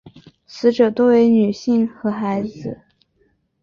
死者多为女性和小孩。